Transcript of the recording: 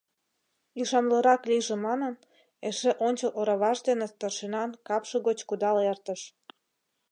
Ӱшанлырак лийже манын, эше ончыл ораваж дене старшинан капше гоч кудал эртыш.